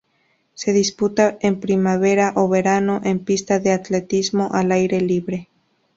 Se disputa en primavera o verano, en pista de atletismo al aire libre.